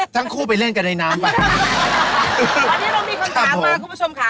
วันนี้เรามีคำถามมาคุณผู้ชมค่ะ